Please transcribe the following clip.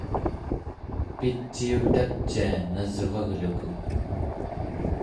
piciutacia nasvagluku